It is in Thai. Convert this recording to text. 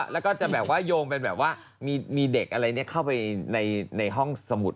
แล้วก็จะแบบว่าโยงเป็นแบบว่ามีเด็กอะไรเข้าไปในห้องสมุด